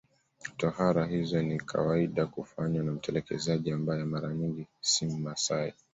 Tohara hizo ni kawaida kufanywa na mtekelezaji ambaye mara nyingi si Mmasai